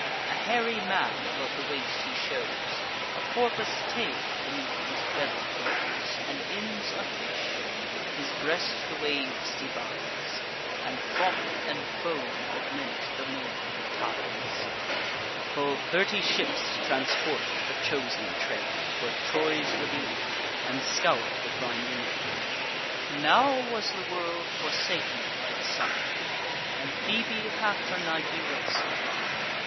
A hairy man above the waist he shows; A porpoise tail beneath his belly grows; And ends a fish: his breast the waves divides, And froth and foam augment the murm'ring tides. Full thirty ships transport the chosen train For Troy's relief, and scour the briny main. Now was the world forsaken by the sun, And Phoebe half her nightly race had run.